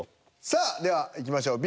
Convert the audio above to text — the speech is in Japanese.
さあではいきましょう。